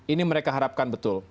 ini mereka harapkan betul